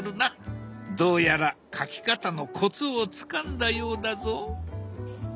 どうやら描き方のコツをつかんだようだぞ。